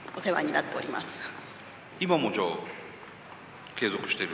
今もじゃあ継続してる？